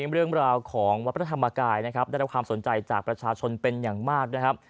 เรื่องราวของวัดพระธรรมกายนะครับได้รับความสนใจจากประชาชนเป็นอย่างมากนะครับ